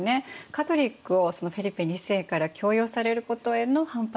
カトリックをフェリペ２世から強要されることへの反発もあったんでしょうか？